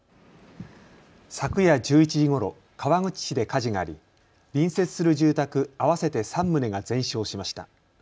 昨夜１１時ごろ、川口市で火事があり隣接する住宅合わせて３棟が全焼しました。